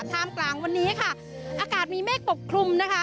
ท่ามกลางวันนี้ค่ะอากาศมีเมฆปกคลุมนะคะ